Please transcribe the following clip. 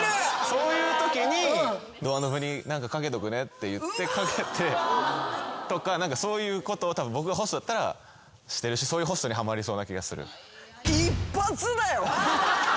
そういうときに。って言って掛けてとかそういうことを僕がホストだったらしてるしそういうホストにハマりそうな気がする。